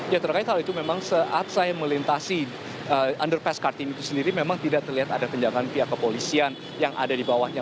ya terkait hal itu memang saat saya melintasi underpass kartini itu sendiri memang tidak terlihat ada kenjangan pihak kepolisian yang ada di bawahnya